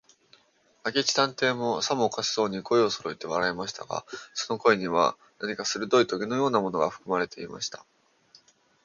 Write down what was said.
明智探偵も、さもおかしそうに、声をそろえて笑いましたが、その声には、何かするどいとげのようなものがふくまれていました。